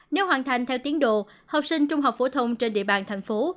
nếu hoàn thành theo tiến độ học sinh trung học phổ thông trên địa bàn thành phố